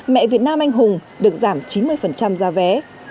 mẹ việt nam anh hùng được giảm chín mươi giá vé